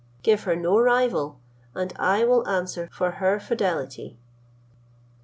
Give her no rival, and I will answer for her fidelity."